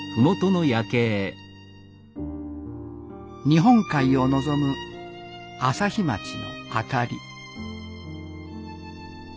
日本海を望む朝日町の明かり。